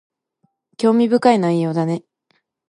興味深い内容だね